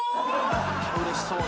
うれしそうに。